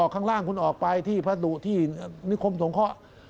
ข้างล่างคุณออกไปที่พระดุที่นิคมสงเคราะห์